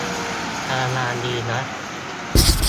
พยายามดีนะ